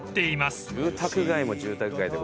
住宅街も住宅街。